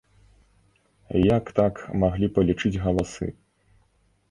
Як так маглі палічыць галасы?